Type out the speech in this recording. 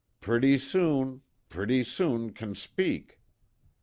" Pretty soon ! Pretty soon can speak."